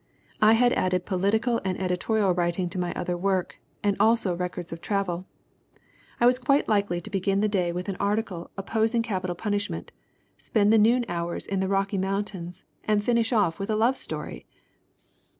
"I had added political and editorial writing to my other work, and also records of travel. I was quite likely to begin the day with an article opposing capital 58 THE WOMEN WHO MAKE OUR NOVELS punishment, spend the noon hours in the Rocky Moun tains, and finish off with a love story!